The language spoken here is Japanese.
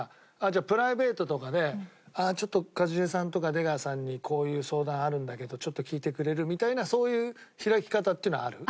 プライベートとかで「ちょっと一茂さんとか出川さんにこういう相談あるんだけどちょっと聞いてくれる？」みたいなそういう開き方っていうのはある？